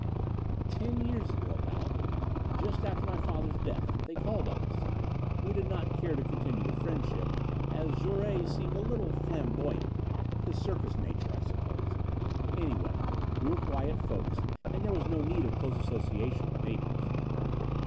"Ten years ago, about. Just after my father's death. They called on us. We did not care to continue the friendship, as Jouret seemed a little flamboyant his circus nature, I suppose. Anyway, we were quiet folks, and there was no need of close association with neighbors.